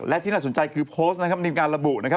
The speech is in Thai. และที่น่าสนใจคือโพสต์นะครับมีการระบุนะครับ